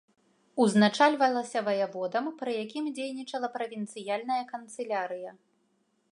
Узначальвалася ваяводам пры якім дзейнічала правінцыяльная канцылярыя.